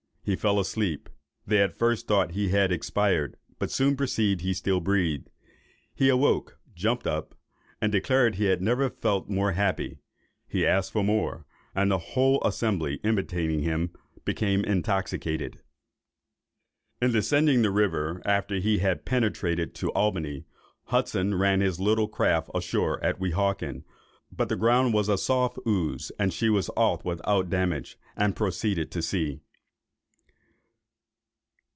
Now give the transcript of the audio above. He fell asleep. They at first thought he had expired, but soon perceived he still breathed. He awoke, jumped up, and declared he never felt more happy; he asked for more; and the whole assembly imitating him, became intoxicated." In descending the river, after he had penetrated to Albany, Hudson ran his little craft ashore at Weehawken; but the ground was a soft ooze, and she was got off without damage, and proceeded to sea.